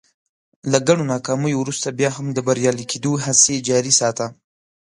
له ګڼو ناکاميو ورورسته بيا هم د بريالي کېدو هڅې جاري ساته.